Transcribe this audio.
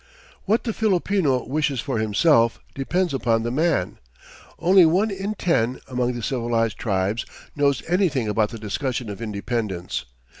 What the Filipino wishes for himself depends upon the man. Only one in ten, among the civilized tribes, knows anything about the discussion of independence.